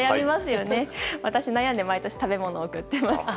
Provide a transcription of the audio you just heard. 私、悩んで毎年食べ物を送っています。